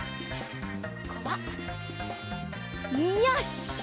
ここはよし！